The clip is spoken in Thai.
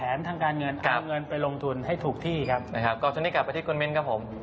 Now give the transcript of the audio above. เออนั่นอาจริง